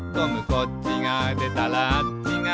「こっちがでたらあっちが」